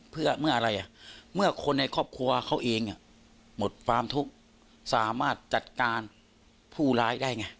เพื่อเมื่ออะไร